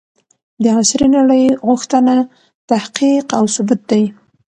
د عصري نړۍ غوښتنه تحقيق او ثبوت دی.